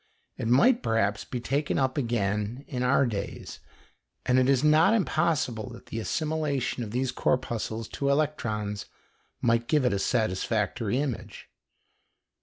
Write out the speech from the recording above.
It might perhaps be taken up again in our days, and it is not impossible that the assimilation of these corpuscles to electrons might give a satisfactory image.